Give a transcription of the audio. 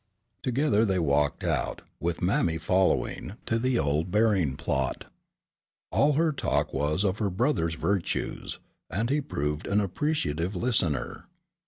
Together they walked out, with mammy following, to the old burying plot. All her talk was of her brother's virtues, and he proved an appreciative listener.